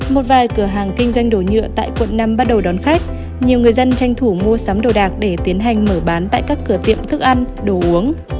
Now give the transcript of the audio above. một vài cửa hàng kinh doanh đồ nhựa tại quận năm bắt đầu đón khách nhiều người dân tranh thủ mua sắm đồ đạc để tiến hành mở bán tại các cửa tiệm thức ăn đồ uống